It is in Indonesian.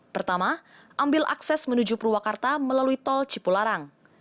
pertama ambil akses menuju purwakarta melalui tol cipularang